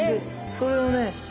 それをね